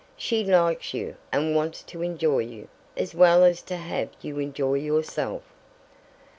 She likes you, and wants to enjoy you, as well as to have you enjoy yourself."